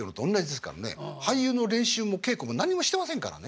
俳優の練習も稽古も何にもしてませんからね。